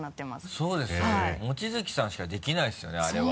そうですよね望月さんしかできないですよねあれは。